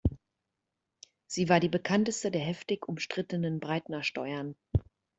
Sie war die bekannteste der heftig umstrittenen "Breitner-Steuern".